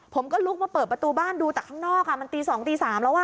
ผมก็ลุกมาเปิดประตูบ้านดูแต่ข้างนอกมันตี๒ตี๓แล้ว